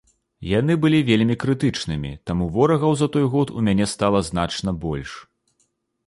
Яны былі вельмі крытычнымі, таму ворагаў за той год у мяне стала значна больш.